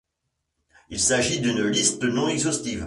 Il s'agit d'une liste non-exhaustive.